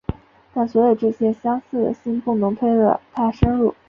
但所有这些相似性不能推得太深入。